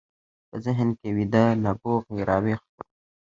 په ذهن کې ويده نبوغ يې را ويښ شو.